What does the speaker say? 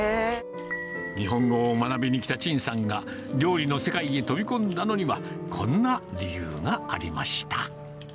日本語を学びに来た陳さんが、料理の世界へ飛び込んだのには、こんな理由がありました。